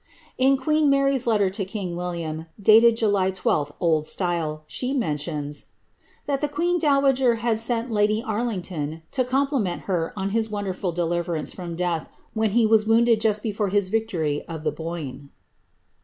In queen Mar>'^s letter to king William, dated July 12, O. S., she mentions ^ that the queen dowager had sent lady Arlington to compli ment her on his wonderful deliverance from death, when he was wounded just before his victory of the Boyne."